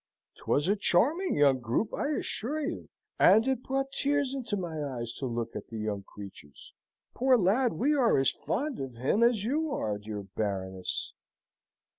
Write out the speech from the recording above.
'Twas a charming young group, I assure you, and it brought tears into my eyes to look at the young creatures. Poor lad! we are as fond of him as you are, dear Baroness!"